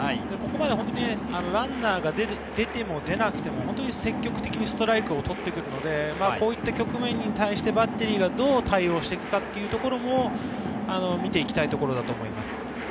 ここまでランナーが出ても出なくても、積極的にストライクを取ってくるので、こういった局面に対してバッテリーがどう対応していくのかというところも見ていきたいと思います。